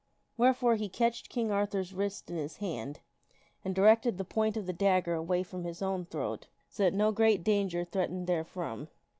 Wherefore he catched King Arthur's wrist in his hand and directed the point of the dag ger away from his own throat so that no great danger threatened there from.